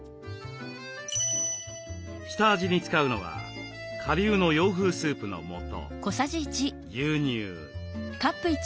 下味に使うのは顆粒の洋風スープの素牛乳。